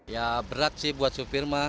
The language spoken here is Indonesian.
ya berat sih buat sopir ma